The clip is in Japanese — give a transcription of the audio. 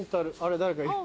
誰かいる。